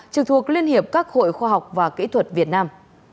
trực thuộc liên hiệp các hội khoa học và kỹ thuật việt nam